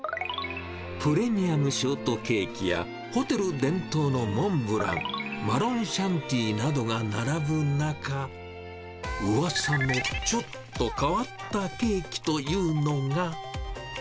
プレミアムショートケーキや、ホテル伝統のモンブラン、マロンシャンティイなどが並ぶ中、うわさのちょっと変わったケーキというのが。